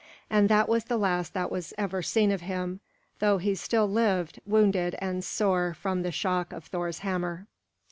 And that was the last that was ever seen of him, though he still lived, wounded and sore from the shock of Thor's hammer.